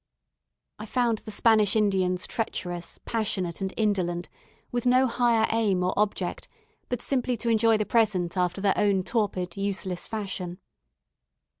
I found the Spanish Indians treacherous, passionate, and indolent, with no higher aim or object but simply to enjoy the present after their own torpid, useless fashion.